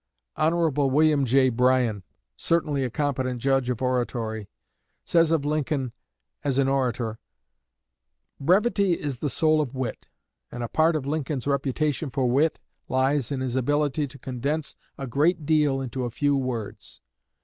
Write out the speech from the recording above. Hon. William J. Bryan, certainly a competent judge of oratory, says of Lincoln as an orator: "Brevity is the soul of wit, and a part of Lincoln's reputation for wit lies in his ability to condense a great deal into a few words.